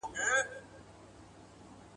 که نن نه وي سبا به د زمان کندي ته لوږي ..